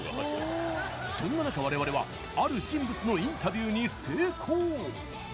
そんな中、われわれはある重要人物のインタビューに成功。